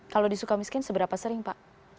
kalau di suka miskin seberapa sering pak